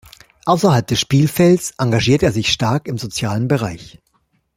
Außerhalb des Spielfelds engagiert er sich stark im sozialen Bereich.